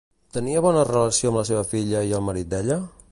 Tenia bona relació amb la seva filla i el marit d'ella?